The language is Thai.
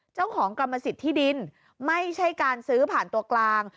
เจ้าของกรรมสิทธิ์ที่ดินไม่ใช่การซื้อผ่านตัวกลาง